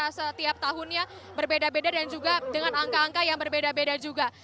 karena setiap tahunnya berbeda beda dan juga dengan angka angka yang berbeda beda juga